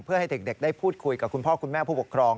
เพื่อให้เด็กได้พูดคุยกับคุณพ่อคุณแม่ผู้ปกครอง